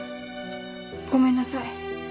ごめんなさい。